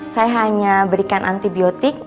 saya hanya berikan antibiotik